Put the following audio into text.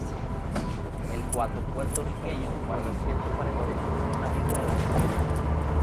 El cuatro puertorriqueño guarda cierto parentesco con la vihuela española.